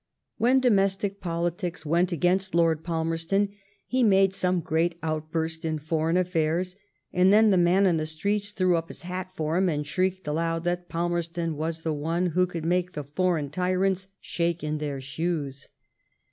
When domestic politics went against Lord Pal merston, he made some great outburst in foreign affairs, and then the man in the streets threw up his hat for him and shrieked aloud that Palmer ston was the one who could make the foreign tyrants shake in their shoes.